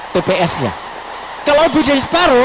tpsnya kalau lebih dari separuh